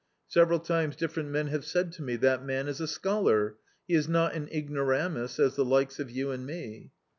Sev eral times different men have said to me, "That man is a scholar; he is not an ignoramus, as the likes of you and me."